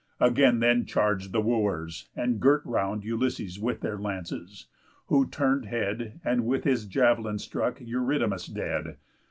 Again then charg'd the Wooers, and girt round Ulysses with their lances; who turn'd head, And with his jav'lin struck Eurydamas dead.